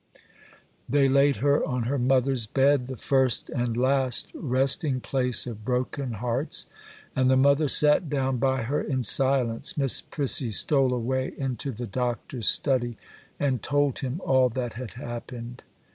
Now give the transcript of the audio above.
They laid her on her mother's bed,—the first and last resting place of broken hearts,—and the mother sat down by her in silence. Miss Prissy stole away into the Doctor's study, and told him all that had happened.